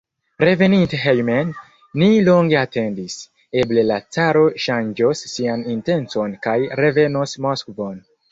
Reveninte hejmen, ni longe atendis: eble la caro ŝanĝos sian intencon kaj revenos Moskvon.